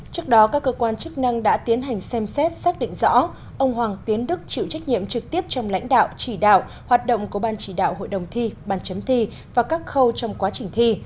trước đó các cơ quan chức năng đã tiến hành xem xét xác định rõ ông hoàng tiến đức chịu trách nhiệm trực tiếp trong lãnh đạo chỉ đạo hoạt động của ban chỉ đạo hội đồng thi ban chấm thi và các khâu trong quá trình thi